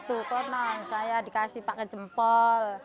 tuh komang saya dikasih pakai jempol